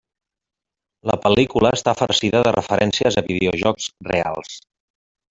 La pel·lícula està farcida de referències a videojocs reals.